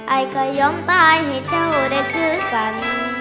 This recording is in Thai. ไอก็ยอมตายให้เจ้าได้คือกัน